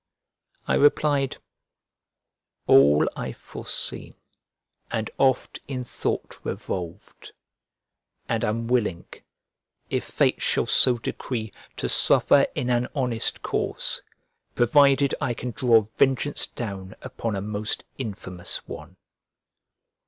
I replied, "'All I've foreseen, and oft in thought revolv'd; and am willing, if fate shall so decree, to suffer in an honest cause, provided I can draw vengeance down upon a most infamous one."